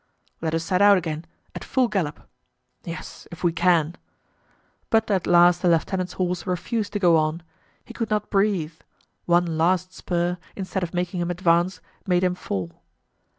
"Let us set out again, at full gallop." "Yes, if we can." But at last the lieutenant's horse refused to go on; he could not breathe; one last spur, instead of making him advance, made him fall.